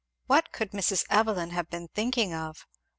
What could Mrs. Evelyn have been thinking of?